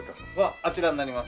あちらになります。